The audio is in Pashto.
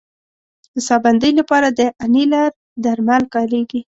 د ساه بندۍ لپاره د انیلر درمل کارېږي.